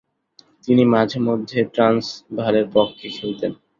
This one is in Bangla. তিনি মাঝে-মধ্যে ট্রান্সভালের পক্ষে খেলতেন।